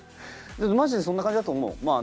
マジでそんな感じだと思う。